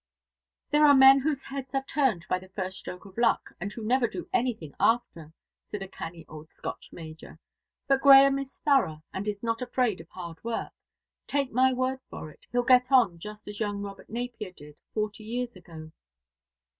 "There are men whose heads are turned by the first stroke of luck, and who never do anything after," said a canny old Scotch major; "but Grahame is thorough, and is not afraid of hard work. Take my word for it, he'll get on just as young Robert Napier did forty years ago."